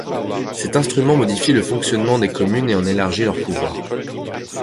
Cet instrument modifie le fonctionnement des communes et en élargit leurs pouvoirs.